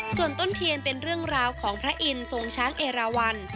ส่วนต้นเทียนเป็นเรื่องราวของพระอินทร์ทรงช้างเอราวัน